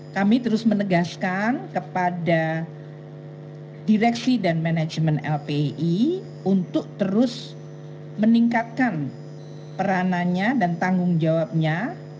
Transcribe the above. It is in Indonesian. kami terus menegaskan kepada direksi dan manajemen lpi untuk terus meningkatkan peranannya dan tanggung jawabnya